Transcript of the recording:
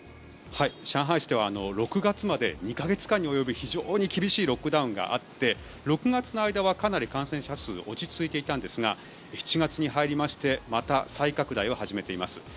上海市では６月まで２か月間に及ぶ非常に厳しいロックダウンがあって６月の間はかなり感染者数が落ち着いていたんですが７月に入りましてまた再拡大を始めています。